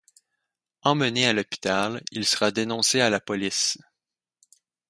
Emmené à l'hôpital, il sera dénoncé à la police.